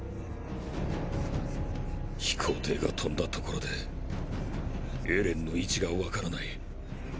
飛行艇が飛んだところでエレンの位置がわからない。